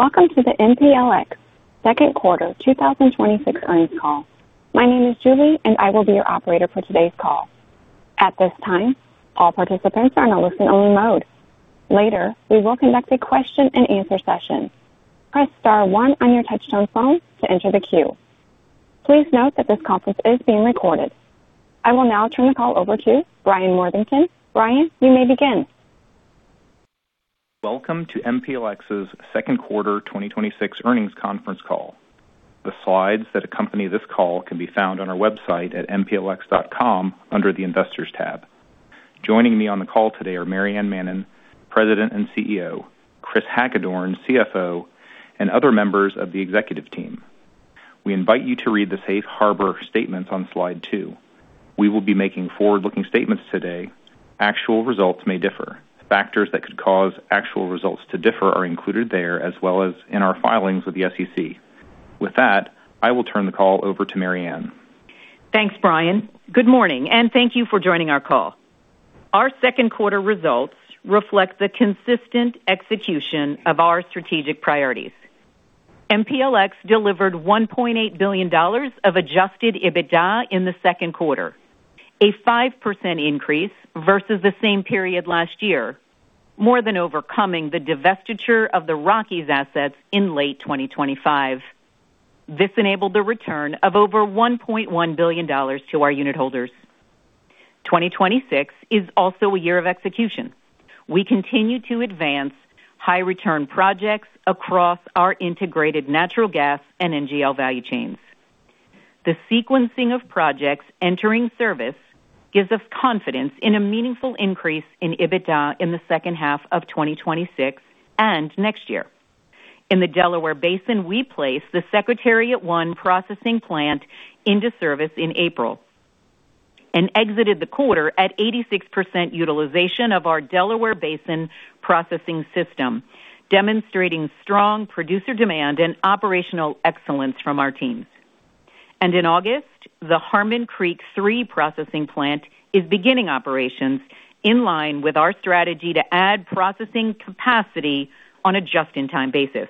Welcome to the MPLX second quarter 2026 earnings call. My name is Julie, and I will be your operator for today's call. At this time, all participants are in a listen-only mode. Later, we will conduct a question and answer session. Press star one on your touch-tone phone to enter the queue. Please note that this conference is being recorded. I will now turn the call over to Brian Worthington. Brian, you may begin. Welcome to MPLX's second quarter 2026 earnings conference call. The slides that accompany this call can be found on our website at mplx.com under the Investors tab. Joining me on the call today are Maryann Mannen, President and CEO, Kris Hagedorn, CFO, and other members of the executive team. We invite you to read the safe harbor statements on slide two. We will be making forward-looking statements today. Actual results may differ. Factors that could cause actual results to differ are included there, as well as in our filings with the SEC. I will turn the call over to Maryann. Thanks, Brian. Good morning, and thank you for joining our call. Our second quarter results reflect the consistent execution of our strategic priorities. MPLX delivered $1.8 billion of adjusted EBITDA in the second quarter, a 5% increase versus the same period last year, more than overcoming the divestiture of the Rockies assets in late 2025. This enabled the return of over $1.1 billion to our unit holders. 2026 is also a year of execution. We continue to advance high-return projects across our integrated natural gas and NGL value chains. The sequencing of projects entering service gives us confidence in a meaningful increase in EBITDA in the second half of 2026 and next year. In the Delaware Basin, we placed the Secretariat I processing plant into service in April and exited the quarter at 86% utilization of our Delaware Basin processing system, demonstrating strong producer demand and operational excellence from our teams. In August, the Harmon Creek III processing plant is beginning operations in line with our strategy to add processing capacity on a just-in-time basis.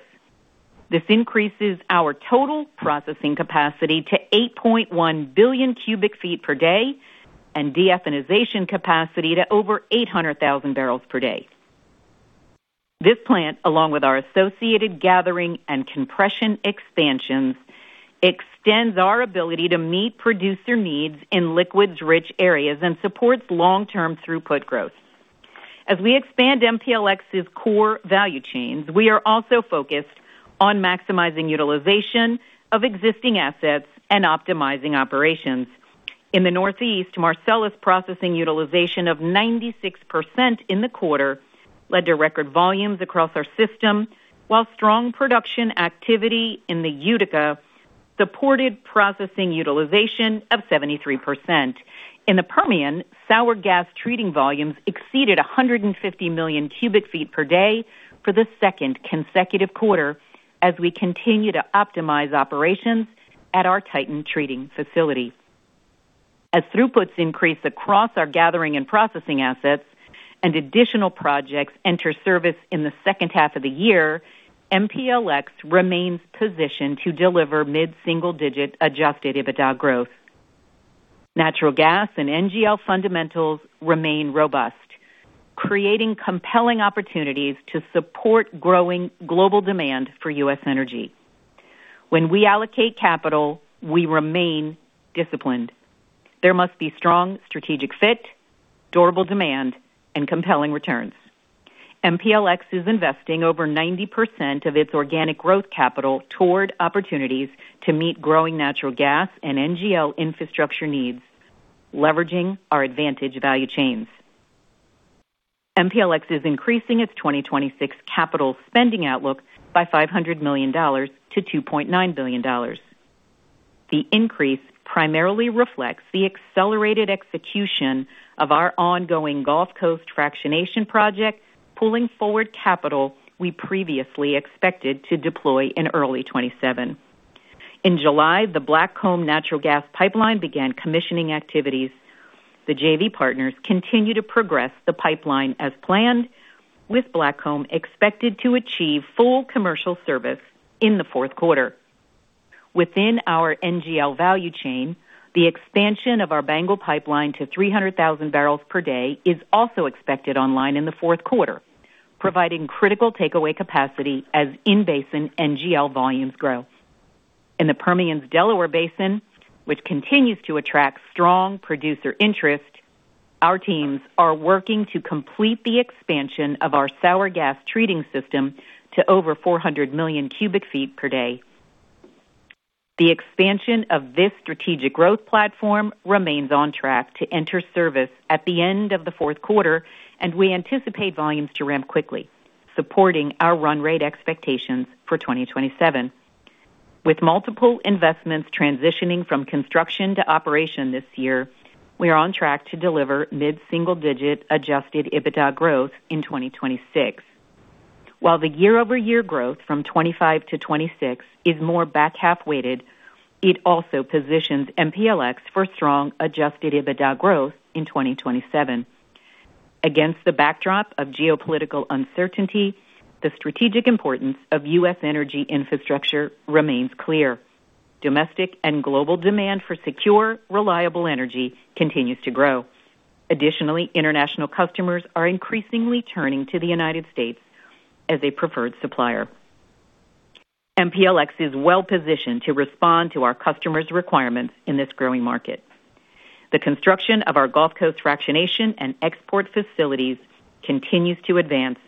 This increases our total processing capacity to 8.1 billion cu ft per day and de-ethanization capacity to over 800,000 barrels per day. This plant, along with our associated gathering and compression expansions, extends our ability to meet producer needs in liquids-rich areas and supports long-term throughput growth. As we expand MPLX's core value chains, we are also focused on maximizing utilization of existing assets and optimizing operations. In the Northeast, Marcellus processing utilization of 96% in the quarter led to record volumes across our system, while strong production activity in the Utica supported processing utilization of 73%. In the Permian, sour gas treating volumes exceeded 150 million cu ft per day for the second consecutive quarter as we continue to optimize operations at our Titan treating facility. As throughputs increase across our gathering and processing assets and additional projects enter service in the second half of the year, MPLX remains positioned to deliver mid-single-digit adjusted EBITDA growth. Natural gas and NGL fundamentals remain robust, creating compelling opportunities to support growing global demand for U.S. energy. When we allocate capital, we remain disciplined. There must be strong strategic fit, durable demand, and compelling returns. MPLX is investing over 90% of its organic growth capital toward opportunities to meet growing natural gas and NGL infrastructure needs, leveraging our advantage value chains. MPLX is increasing its 2026 capital spending outlook by $500 million to $2.9 billion. The increase primarily reflects the accelerated execution of our ongoing Gulf Coast fractionation project, pulling forward capital we previously expected to deploy in early 2027. In July, the Blackcomb Natural Gas Pipeline began commissioning activities. The JV partners continue to progress the pipeline as planned, with Blackcomb expected to achieve full commercial service in the fourth quarter. Within our NGL value chain, the expansion of our BANGL pipeline to 300,000 barrels per day is also expected online in the fourth quarter, providing critical takeaway capacity as in-basin NGL volumes grow. In the Permian's Delaware Basin, which continues to attract strong producer interest, our teams are working to complete the expansion of our sour gas treating system to over 400 million cu ft per day. The expansion of this strategic growth platform remains on track to enter service at the end of the fourth quarter, and we anticipate volumes to ramp quickly, supporting our run rate expectations for 2027. With multiple investments transitioning from construction to operation this year, we are on track to deliver mid-single-digit adjusted EBITDA growth in 2026. While the year-over-year growth from 2025 to 2026 is more back-half weighted, it also positions MPLX for strong adjusted EBITDA growth in 2027. Against the backdrop of geopolitical uncertainty, the strategic importance of U.S. energy infrastructure remains clear. Domestic and global demand for secure, reliable energy continues to grow. International customers are increasingly turning to the United States as a preferred supplier. MPLX is well positioned to respond to our customers' requirements in this growing market. The construction of our Gulf Coast fractionation and export facilities continues to advance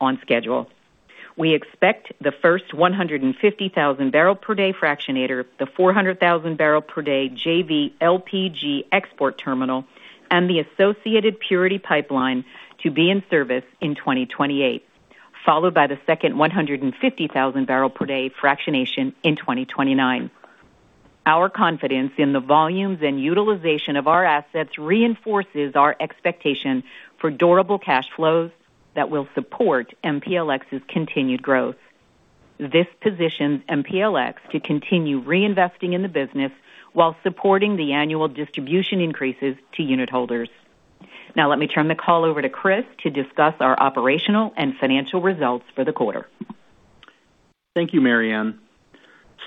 on schedule. We expect the first 150,000 barrel per day fractionator, the 400,000 barrel per day JV LPG export terminal, and the associated purity pipeline to be in service in 2028, followed by the second 150,000 barrel per day fractionation in 2029. Our confidence in the volumes and utilization of our assets reinforces our expectation for durable cash flows that will support MPLX's continued growth. This positions MPLX to continue reinvesting in the business while supporting the annual distribution increases to unit holders. Let me turn the call over to Kris to discuss our operational and financial results for the quarter. Thank you, Maryann.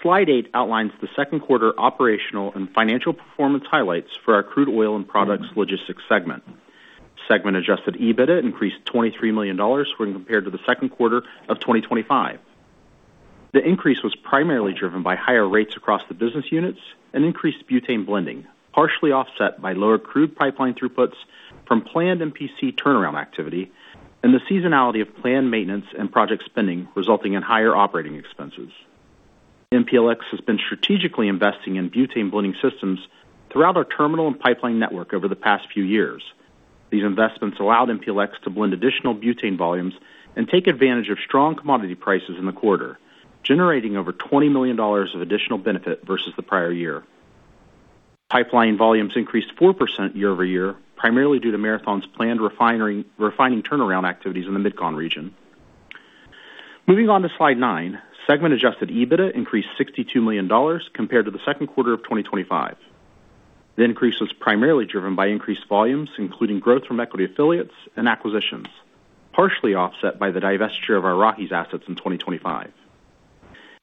Slide eight outlines the second quarter operational and financial performance highlights for our crude oil and products logistics segment. Segment adjusted EBITDA increased $23 million when compared to the second quarter of 2025. The increase was primarily driven by higher rates across the business units and increased butane blending, partially offset by lower crude pipeline throughputs from planned MPC turnaround activity and the seasonality of planned maintenance and project spending, resulting in higher operating expenses. MPLX has been strategically investing in butane blending systems throughout our terminal and pipeline network over the past few years. These investments allowed MPLX to blend additional butane volumes and take advantage of strong commodity prices in the quarter, generating over $20 million of additional benefit versus the prior year. Pipeline volumes increased 4% year-over-year, primarily due to Marathon Petroleum Corporation's planned refining turnaround activities in the MidCon region. Moving on to slide nine. Segment adjusted EBITDA increased $62 million compared to the second quarter of 2025. The increase was primarily driven by increased volumes, including growth from equity affiliates and acquisitions, partially offset by the divestiture of our Rockies assets in 2025.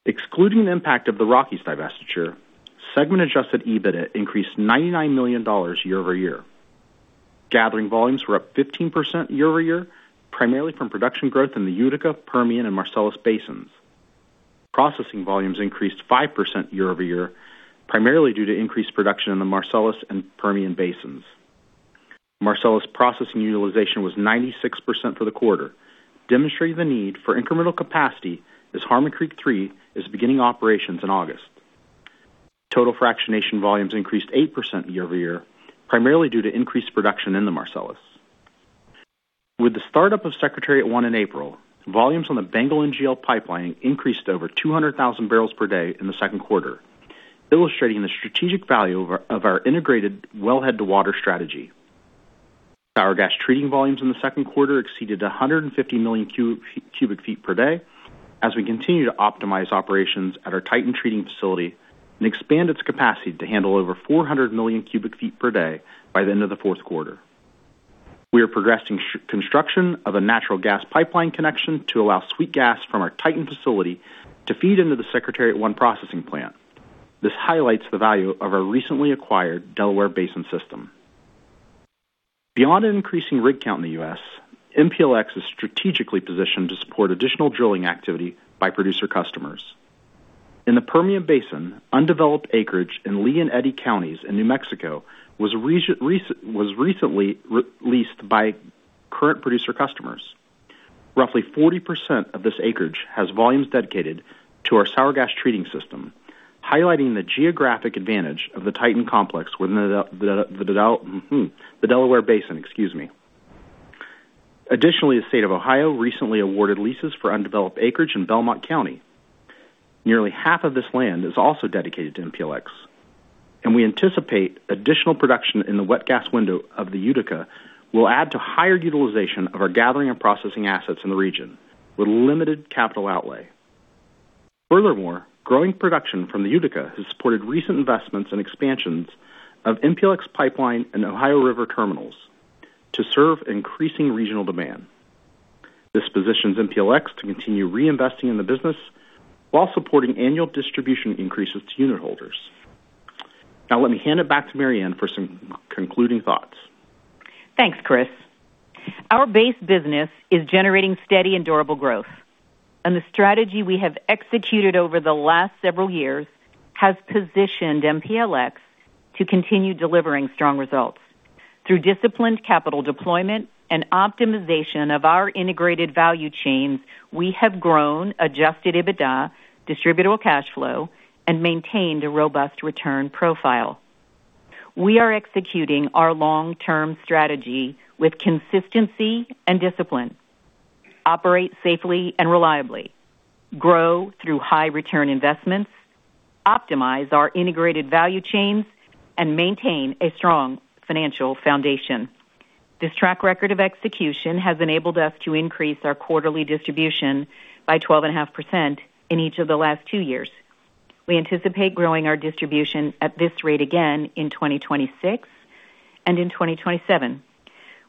Excluding the impact of the Rockies divestiture, segment adjusted EBITDA increased $99 million year-over-year. Gathering volumes were up 15% year-over-year, primarily from production growth in the Utica, Permian, and Marcellus basins. Processing volumes increased 5% year-over-year, primarily due to increased production in the Marcellus and Permian basins. Marcellus processing utilization was 96% for the quarter, demonstrating the need for incremental capacity as Harmon Creek III is beginning operations in August. Total fractionation volumes increased 8% year-over-year, primarily due to increased production in the Marcellus. With the startup of Secretariat I in April, volumes on the BANGL NGL pipeline increased over 200,000 barrels per day in the second quarter, illustrating the strategic value of our integrated wellhead to water strategy. Our gas treating volumes in the second quarter exceeded 150 million cu ft per day as we continue to optimize operations at our Titan treating facility and expand its capacity to handle over 400 million cu ft per day by the end of the fourth quarter. We are progressing construction of a natural gas pipeline connection to allow sweet gas from our Titan facility to feed into the Secretariat I processing plant. This highlights the value of our recently acquired Delaware Basin system. Beyond an increasing rig count in the U.S., MPLX is strategically positioned to support additional drilling activity by producer customers. In the Permian Basin, undeveloped acreage in Lea and Eddy counties in New Mexico was recently leased by current producer customers. Roughly 40% of this acreage has volumes dedicated to our sour gas treating system, highlighting the geographic advantage of the Titan Complex with the Delaware Basin. Excuse me. The state of Ohio recently awarded leases for undeveloped acreage in Belmont County. Nearly half of this land is also dedicated to MPLX, and we anticipate additional production in the wet gas window of the Utica will add to higher utilization of our gathering and processing assets in the region with limited capital outlay. Growing production from the Utica has supported recent investments and expansions of MPLX pipeline and Ohio River terminals to serve increasing regional demand. This positions MPLX to continue reinvesting in the business while supporting annual distribution increases to unit holders. Now let me hand it back to Maryann for some concluding thoughts. Thanks, Kris. Our base business is generating steady and durable growth, and the strategy we have executed over the last several years has positioned MPLX to continue delivering strong results. Through disciplined capital deployment and optimization of our integrated value chains, we have grown adjusted EBITDA distributable cash flow and maintained a robust return profile. We are executing our long-term strategy with consistency and discipline. Operate safely and reliably, grow through high return investments, optimize our integrated value chains, and maintain a strong financial foundation. This track record of execution has enabled us to increase our quarterly distribution by 12.5% in each of the last two years. We anticipate growing our distribution at this rate again in 2026 and in 2027.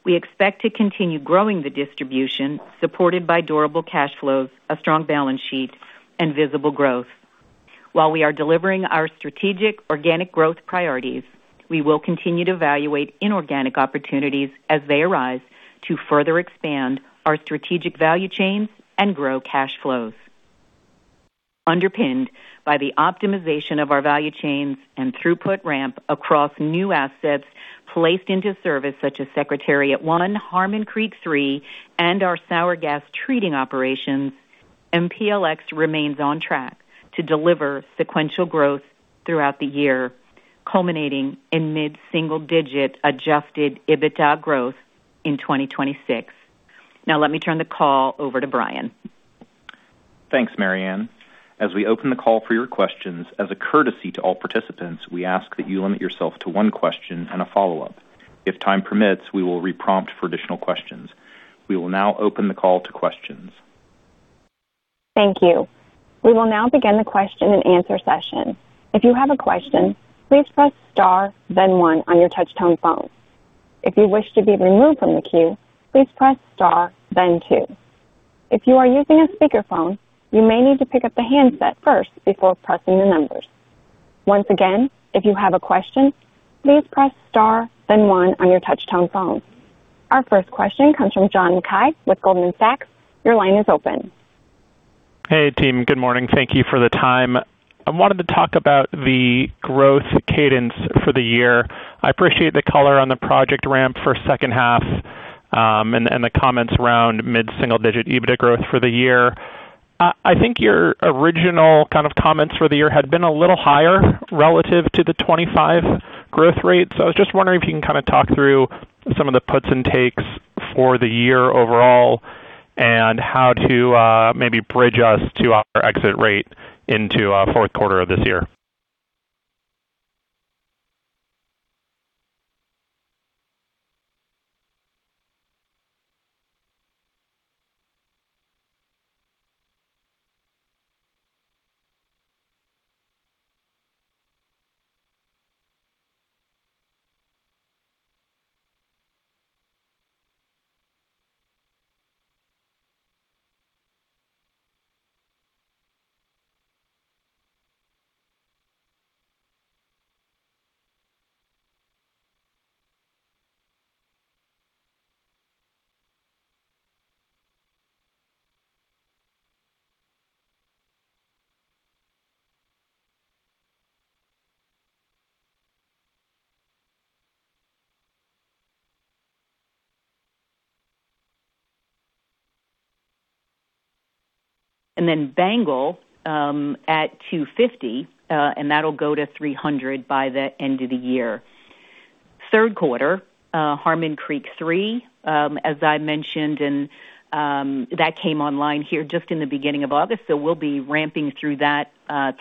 We expect to continue growing the distribution supported by durable cash flows, a strong balance sheet, and visible growth. While we are delivering our strategic organic growth priorities, we will continue to evaluate inorganic opportunities as they arise to further expand our strategic value chains and grow cash flows. Underpinned by the optimization of our value chains and throughput ramp across new assets placed into service such as Secretariat I, Harmon Creek III, and our sour gas treating operations, MPLX remains on track to deliver sequential growth throughout the year, culminating in mid-single-digit adjusted EBITDA growth in 2026. Now let me turn the call over to Brian. Thanks, Maryann. As we open the call for your questions, as a courtesy to all participants, we ask that you limit yourself to one question and a follow-up. If time permits, we will re-prompt for additional questions. We will now open the call to questions. Thank you. We will now begin the question and answer session. If you have a question, please press star then one on your touch-tone phone. If you wish to be removed from the queue, please press star then two. If you are using a speakerphone, you may need to pick up the handset first before pressing the numbers. Once again, if you have a question, please press star then one on your touch-tone phone. Our first question comes from John Mackay with Goldman Sachs. Your line is open. Hey, team. Good morning. Thank you for the time. I wanted to talk about the growth cadence for the year. I appreciate the color on the project ramp for second half, and the comments around mid-single-digit EBITDA growth for the year. I think your original comments for the year had been a little higher relative to the 2025 growth rate. I was just wondering if you can talk through some of the puts and takes for the year overall and how to maybe bridge us to our exit rate into fourth quarter of this year. BANGL, at 250 mbpd, and that'll go to 300 mbpd by the end of the year. Third quarter, Harmon Creek III, as I mentioned, and that came online here just in the beginning of August, so we'll be ramping through that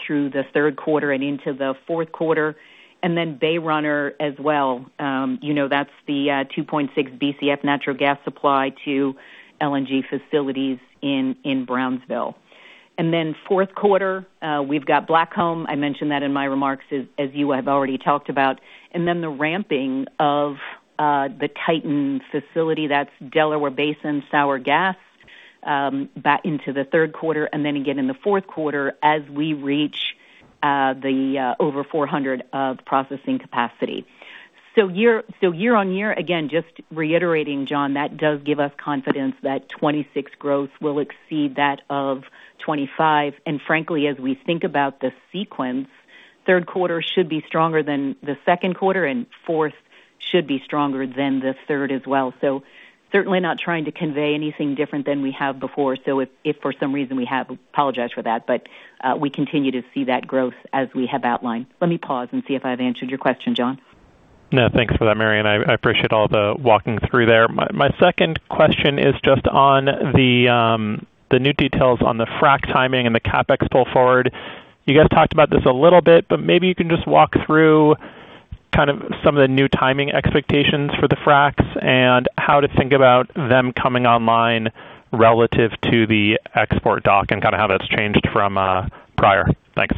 through the third quarter and into the fourth quarter, and then Bay Runner Pipeline as well. That's the 2.6 Bcf natural gas supply to LNG facilities in Brownsville. Fourth quarter, we've got Blackcomb. I mentioned that in my remarks as you have already talked about. Then the ramping of the Titan facility, that's Delaware Basin sour gas, back into the third quarter and then again in the fourth quarter as we reach the over 400 MMcf/d of processing capacity. Year-on-year, again, just reiterating, John, that does give us confidence that 2026 growth will exceed that of 2025. Frankly, as we think about the sequence, third quarter should be stronger than the second quarter, and fourth should be stronger than the third as well. Certainly not trying to convey anything different than we have before. If for some reason we have, apologize for that, but we continue to see that growth as we have outlined. Let me pause and see if I've answered your question, John. No, thanks for that, Maryann. I appreciate all the walking through there. My second question is just on the new details on the frack timing and the CapEx pull forward. You guys talked about this a little bit, but maybe you can just walk through some of the new timing expectations for the fracks and how to think about them coming online relative to the export dock and how that's changed from prior. Thanks.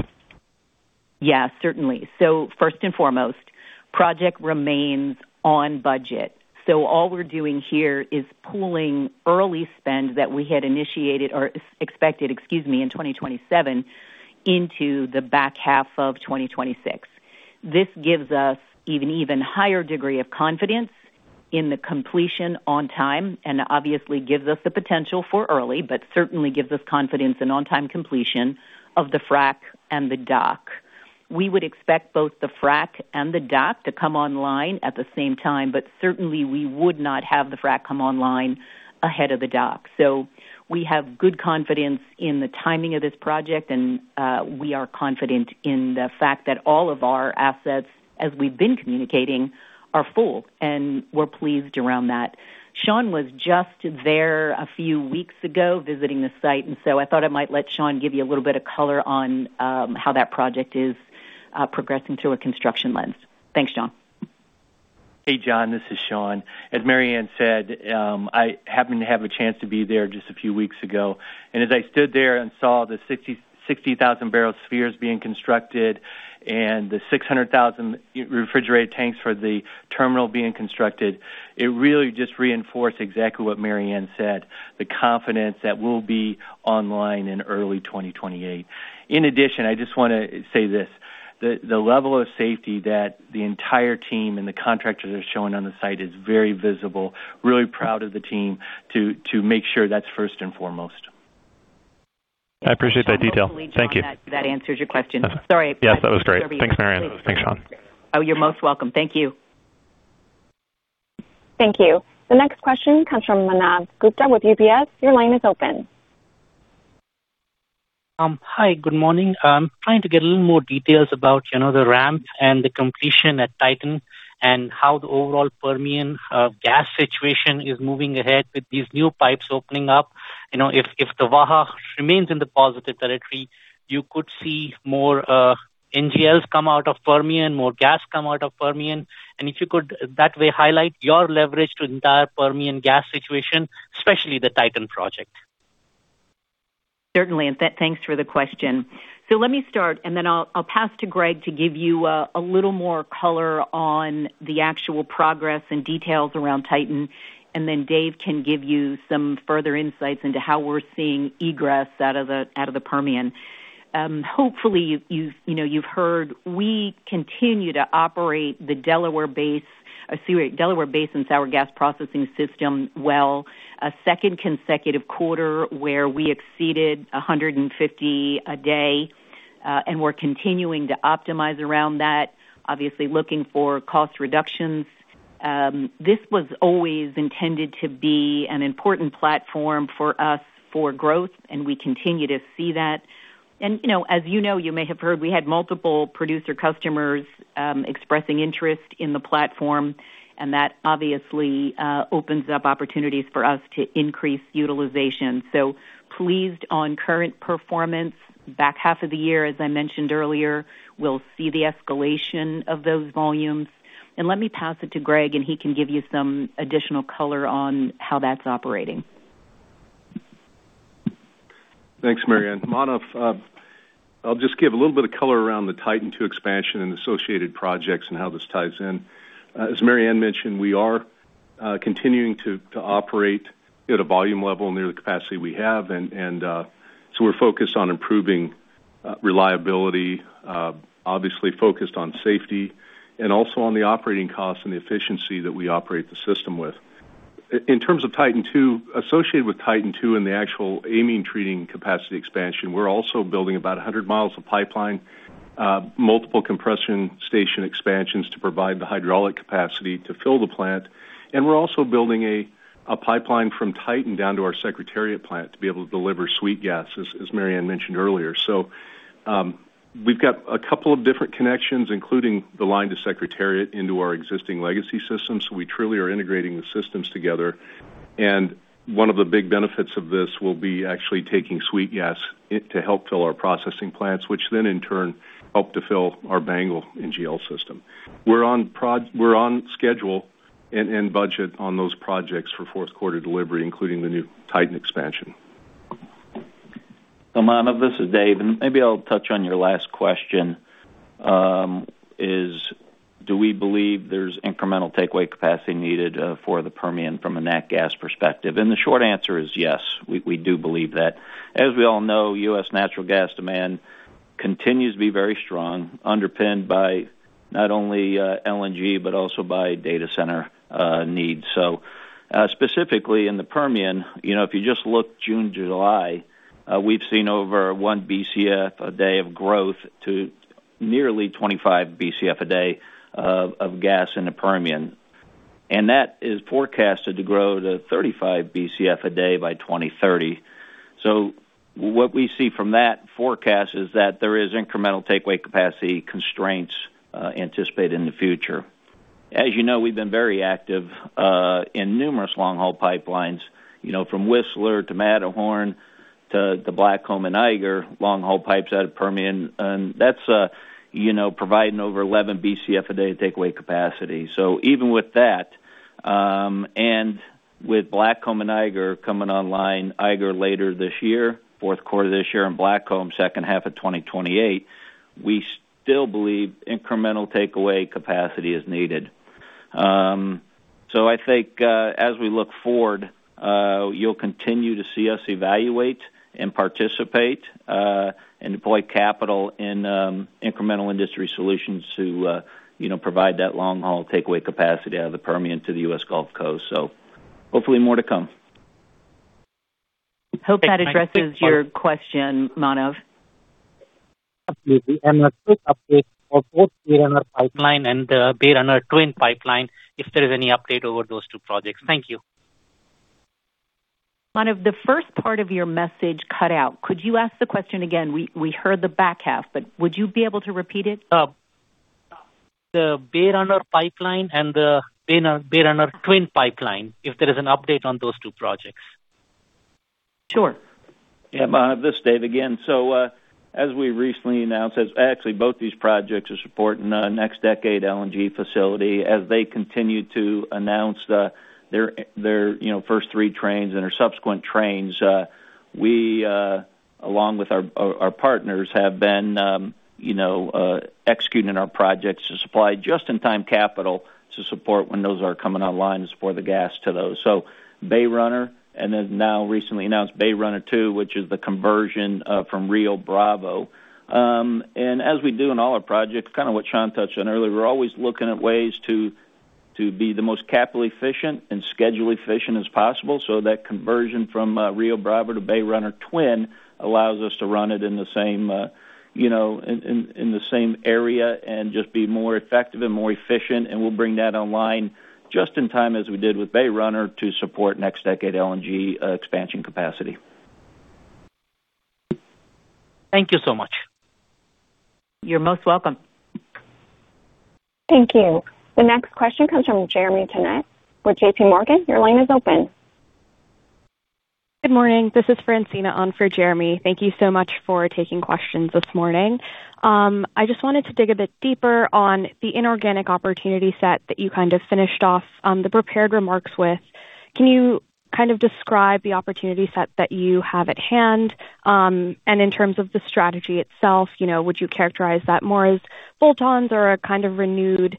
First and foremost, project remains on budget. All we're doing here is pooling early spend that we had initiated or expected, excuse me, in 2027 into the back half of 2026. This gives us an even higher degree of confidence in the completion on time, and obviously gives us the potential for early, but certainly gives us confidence in on-time completion of the frack and the dock. We would expect both the frack and the dock to come online at the same time, but certainly we would not have the frack come online ahead of the dock. We have good confidence in the timing of this project, and we are confident in the fact that all of our assets, as we've been communicating, are full, and we're pleased around that. Shawn was just there a few weeks ago visiting the site. I thought I might let Shawn give you a little bit of color on how that project is progressing through a construction lens. Thanks, Shawn. Hey, John, this is Shawn. As Maryann said, I happened to have a chance to be there just a few weeks ago. As I stood there and saw the 60,000-barrel spheres being constructed and the 600,000 refrigerated tanks for the terminal being constructed, it really just reinforced exactly what Maryann said, the confidence that we'll be online in early 2028. In addition, I just want to say this, the level of safety that the entire team and the contractors are showing on the site is very visible. Really proud of the team to make sure that's first and foremost. I appreciate that detail. Thank you. That answers your question. Sorry. Yes, that was great. Thanks, Maryann. Thanks, Shawn. Oh, you're most welcome. Thank you. Thank you. The next question comes from Manav Gupta with UBS. Your line is open. Hi, good morning. I'm trying to get a little more details about the ramp and the completion at Titan and how the overall Permian gas situation is moving ahead with these new pipes opening up. If the Waha remains in the positive territory, you could see more NGLs come out of Permian, more gas come out of Permian. If you could that way highlight your leverage to the entire Permian gas situation, especially the Titan project. Certainly. Thanks for the question. Let me start and then I'll pass to Greg to give you a little more color on the actual progress and details around Titan, then Dave can give you some further insights into how we're seeing egress out of the Permian. Hopefully you've heard we continue to operate the Delaware Basin Sour Gas Processing System well a second consecutive quarter where we exceeded 150 a day. We're continuing to optimize around that, obviously looking for cost reductions. This was always intended to be an important platform for us for growth, and we continue to see that. As you know, you may have heard we had multiple producer customers expressing interest in the platform, and that obviously opens up opportunities for us to increase utilization. Pleased on current performance. Back half of the year, as I mentioned earlier, we'll see the escalation of those volumes. Let me pass it to Greg and he can give you some additional color on how that's operating. Thanks, Maryann. Manav, I'll just give a little bit of color around the Titan II expansion and associated projects and how this ties in. As Maryann mentioned, we are continuing to operate at a volume level near the capacity we have. We're focused on improving reliability, obviously focused on safety and also on the operating costs and the efficiency that we operate the system with. In terms of Titan II, associated with Titan II and the actual amine treating capacity expansion, we're also building about 100 mi of pipeline, multiple compression station expansions to provide the hydraulic capacity to fill the plant. We're also building a pipeline from Titan down to our Secretariat plant to be able to deliver sweet gas, as Maryann mentioned earlier. We've got a couple of different connections, including the line to Secretariat into our existing legacy system. We truly are integrating the systems together, and one of the big benefits of this will be actually taking sweet gas to help fill our processing plants, which then in turn help to fill our BANGL NGL system. We're on schedule and in budget on those projects for fourth quarter delivery, including the new Titan expansion. Manav, this is Dave, and maybe I'll touch on your last question, is do we believe there's incremental takeaway capacity needed for the Permian from a nat gas perspective? The short answer is yes, we do believe that. As we all know, U.S. natural gas demand continues to be very strong, underpinned by not only LNG, but also by data center needs. Specifically in the Permian, if you just look June, July, we've seen over 1 Bcf/d of growth to nearly 25 Bcf/d of gas in the Permian, and that is forecasted to grow to 35 Bcf/d by 2030. What we see from that forecast is that there is incremental takeaway capacity constraints anticipated in the future. As you know, we've been very active in numerous long haul pipelines, from Whistler Pipeline to Matterhorn Express Pipeline to the Blackcomb and Eiger Express long haul pipes out of Permian. That's providing over 11 Bcf/d takeaway capacity. Even with that, and with Blackcomb and Eiger Express coming online, Eiger Express later this year, fourth quarter of this year, and Blackcomb second half of 2028, we still believe incremental takeaway capacity is needed. I think as we look forward, you'll continue to see us evaluate and participate and deploy capital in incremental industry solutions to provide that long haul takeaway capacity out of the Permian to the U.S. Gulf Coast. Hopefully more to come. Hope that addresses your question, Manav. Absolutely. A quick update for both Bay Runner Pipeline and the Bay Runner Twin Pipeline, if there is any update over those two projects. Thank you. Manav, the first part of your message cut out. Could you ask the question again? We heard the back half, but would you be able to repeat it? The Bay Runner Pipeline and the Bay Runner Twin Pipeline, if there is an update on those two projects. Sure. Yeah, Manav. This is Dave again. As we recently announced, actually both these projects are supporting our NextDecade LNG facility as they continue to announce their first three trains and their subsequent trains. We, along with our partners, have been executing our projects to supply just-in-time capital to support when those are coming online to support the gas to those. Bay Runner, and then now recently announced Bay Runner 2.0, which is the conversion from Rio Bravo. As we do in all our projects, kind of what Shawn touched on earlier, we're always looking at ways to be the most capital efficient and schedule efficient as possible. That conversion from Rio Bravo to Bay Runner Twin allows us to run it in the same area and just be more effective and more efficient. We'll bring that online just in time, as we did with Bay Runner, to support NextDecade LNG expansion capacity. Thank you so much. You're most welcome. Thank you. The next question comes from Jeremy Tonet with JPMorgan. Your line is open. Good morning. This is Francina on for Jeremy. Thank you so much for taking questions this morning. I just wanted to dig a bit deeper on the inorganic opportunity set that you kind of finished off the prepared remarks with. Can you kind of describe the opportunity set that you have at hand? In terms of the strategy itself, would you characterize that more as bolt-ons or a kind of renewed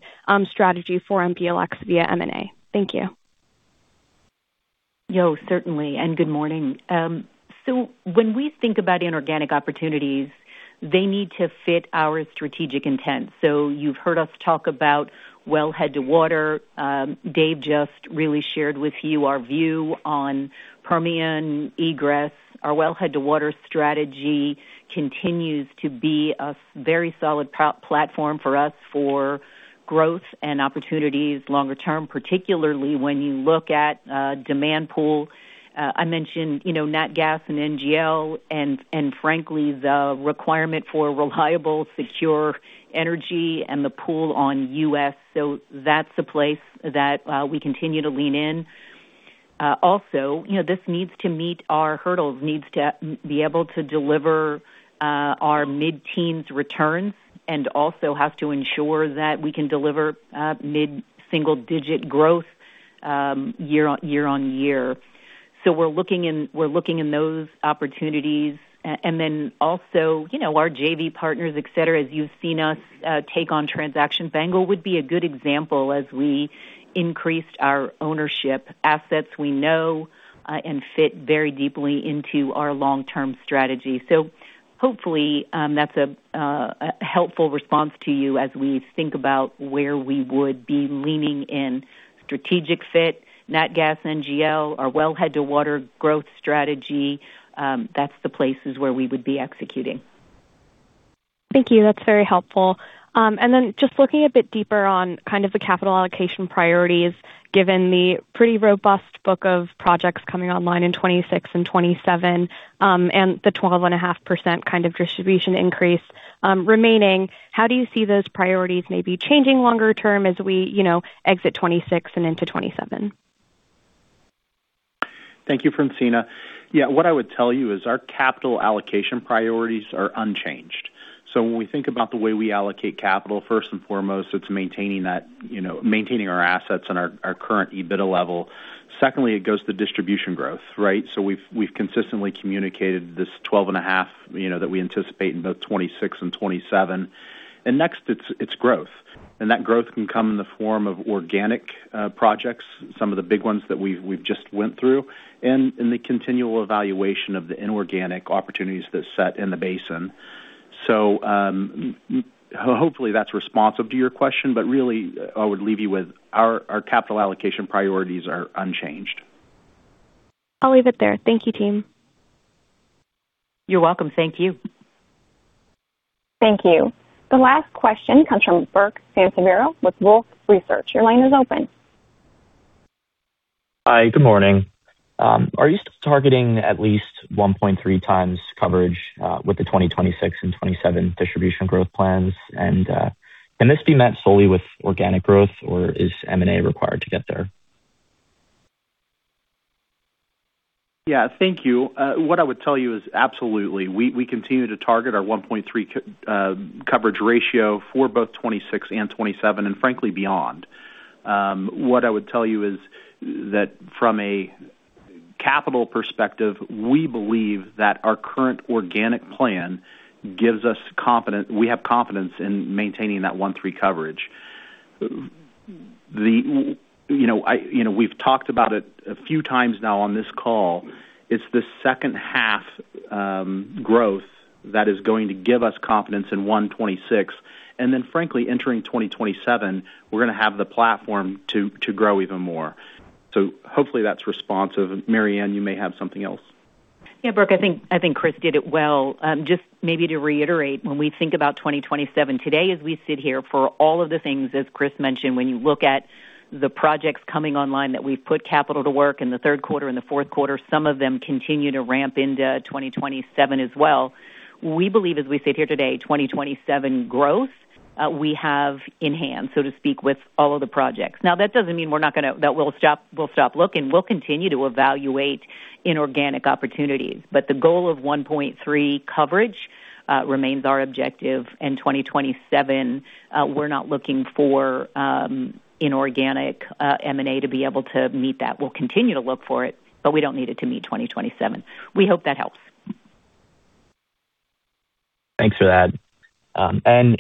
strategy for MPLX via M&A? Thank you. Yo, certainly, and good morning. When we think about inorganic opportunities, they need to fit our strategic intent. You've heard us talk about wellhead to water. Dave just really shared with you our view on Permian egress. Our wellhead to water strategy continues to be a very solid platform for us for growth and opportunities longer term, particularly when you look at demand pool. I mentioned nat gas and NGL and frankly, the requirement for reliable, secure energy and the pool on U.S. That's a place that we continue to lean in. This needs to meet our hurdles, needs to be able to deliver our mid-teens returns, also have to ensure that we can deliver mid-single-digit growth year-on-year. We're looking in those opportunities. Also our JV partners, et cetera, as you've seen us take on transactions. BANGL would be a good example as we increased our ownership assets we know and fit very deeply into our long-term strategy. Hopefully, that's a helpful response to you as we think about where we would be leaning in strategic fit, nat gas, NGL, our wellhead to water growth strategy. That's the places where we would be executing. Thank you. That's very helpful. Just looking a bit deeper on kind of the capital allocation priorities, given the pretty robust book of projects coming online in 2026 and 2027, and the 12.5% kind of distribution increase remaining, how do you see those priorities maybe changing longer term as we exit 2026 and into 2027? Thank you, Francina. Yeah, what I would tell you is our capital allocation priorities are unchanged. When we think about the way we allocate capital, first and foremost, it's maintaining our assets and our current EBITDA level. Secondly, it goes to distribution growth, right? We've consistently communicated this 12.5% that we anticipate in both 2026 and 2027. Next, it's growth. That growth can come in the form of organic projects, some of the big ones that we've just went through, and in the continual evaluation of the inorganic opportunities that set in the basin. Hopefully that's responsive to your question, but really I would leave you with our capital allocation priorities are unchanged. I'll leave it there. Thank you, team. You're welcome. Thank you. Thank you. The last question comes from Burke Sansiviero with Wolfe Research. Your line is open. Hi. Good morning. Are you still targeting at least 1.3x coverage with the 2026 and 2027 distribution growth plans? Can this be met solely with organic growth, or is M&A required to get there? Yeah. Thank you. What I would tell you is absolutely, we continue to target our 1.3x coverage ratio for both 2026 and 2027, and frankly, beyond. What I would tell you is that from a capital perspective, we believe that our current organic plan gives us confidence. We have confidence in maintaining that 1.3x coverage. We've talked about it a few times now on this call. It's the second-half growth that is going to give us confidence in 2026. Frankly, entering 2027, we're going to have the platform to grow even more. Hopefully that's responsive. Maryann, you may have something else. Yeah. Burke, I think Kris did it well. Just maybe to reiterate, when we think about 2027 today as we sit here for all of the things, as Kris mentioned, when you look at the projects coming online that we've put capital to work in the third quarter and the fourth quarter, some of them continue to ramp into 2027 as well. We believe as we sit here today, 2027 growth we have in hand, so to speak, with all of the projects. That doesn't mean that we'll stop looking. We'll continue to evaluate inorganic opportunities. The goal of 1.3x coverage remains our objective. In 2027, we're not looking for inorganic M&A to be able to meet that. We'll continue to look for it, but we don't need it to meet 2027. We hope that helps. Thanks for that.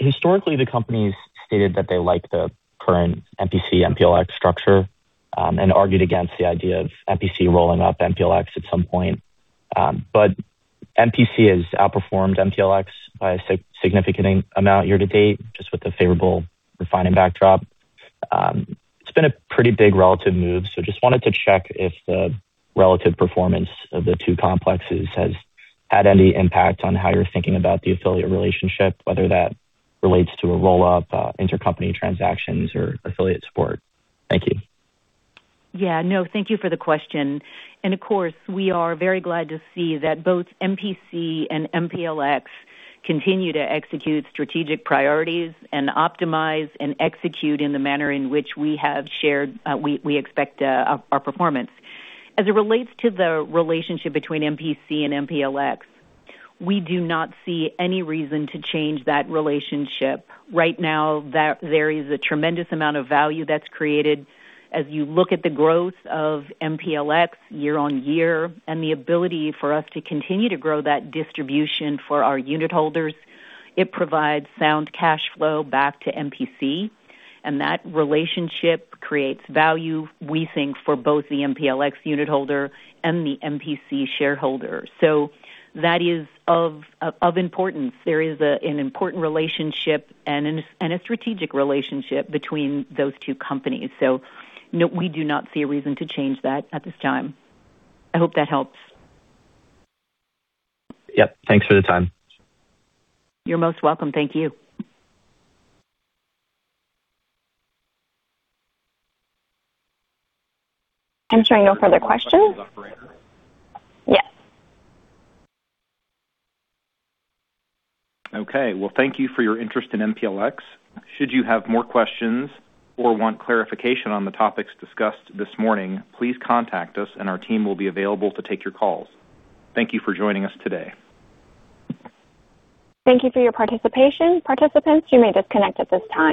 Historically, the company's stated that they like the current MPC MPLX structure and argued against the idea of MPC rolling up MPLX at some point. MPC has outperformed MPLX by a significant amount year to date, just with the favorable refining backdrop. It's been a pretty big relative move, just wanted to check if the relative performance of the two complexes has had any impact on how you're thinking about the affiliate relationship, whether that relates to a roll-up, intercompany transactions, or affiliate support. Thank you. Yeah, no, thank you for the question. Of course, we are very glad to see that both MPC and MPLX continue to execute strategic priorities and optimize and execute in the manner in which we have shared we expect our performance. As it relates to the relationship between MPC and MPLX, we do not see any reason to change that relationship. Right now, there is a tremendous amount of value that's created. As you look at the growth of MPLX year on year and the ability for us to continue to grow that distribution for our unit holders, it provides sound cash flow back to MPC, and that relationship creates value, we think, for both the MPLX unit holder and the MPC shareholder. That is of importance. There is an important relationship and a strategic relationship between those two companies. No, we do not see a reason to change that at this time. I hope that helps. Yep. Thanks for the time. You're most welcome. Thank you. I'm showing no further questions. Yes. Okay. Well, thank you for your interest in MPLX. Should you have more questions or want clarification on the topics discussed this morning, please contact us and our team will be available to take your calls. Thank you for joining us today. Thank you for your participation. Participants, you may disconnect at this time.